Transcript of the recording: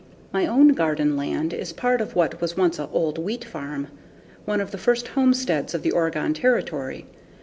My own garden land is part of what was once an old wheat farm, one of the first homesteads of the Oregon Territory.